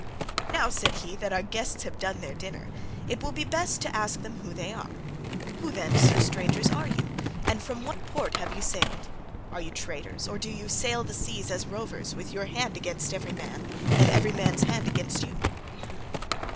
"Now," said he, "that our guests have done their dinner, it will be best to ask them who they are. Who, then, sir strangers, are you, and from what port have you sailed? Are you traders? or do you sail the seas as rovers with your hand against every man, and every man's hand against you?"